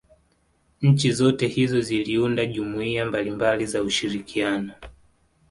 Nchi zote hizo ziliunda jumuiya mbalimabali za ushirikiano